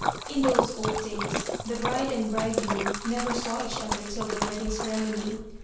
In those old days the bride and bridegroom never saw each other till the wedding ceremony.